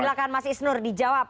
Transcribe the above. silahkan mas ishnur dijawab